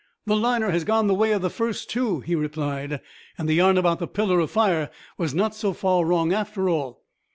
"The liner has gone the way of the first two," he replied: "and the yarn about the pillar of fire was not so far wrong after all."